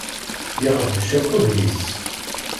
Yexbec akk udem-is.